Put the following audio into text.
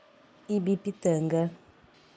Ibipitanga